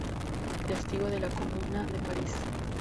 Testigo de la Comuna de París.